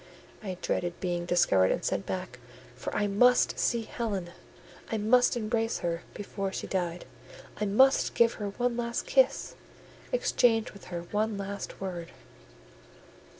I dreaded being discovered and sent back; for I must see Helen,—I must embrace her before she died,—I must give her one last kiss, exchange with her one last word.